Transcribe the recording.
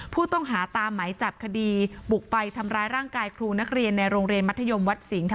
ผู้ต้องหาตามไหมจับคดีบุกไปทำร้ายร่างกายครูนักเรียนในโรงเรียนมัธยมวัดสิงห์